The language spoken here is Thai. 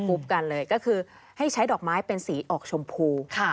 กันเลยก็คือให้ใช้ดอกไม้เป็นสีออกชมพู